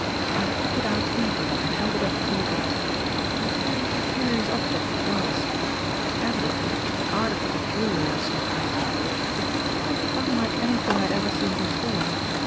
I picked it out eagerly and held it up to look at it; and a very curious object it was; evidently an article of jewellery of some kind, but quite unlike anything I had ever seen before.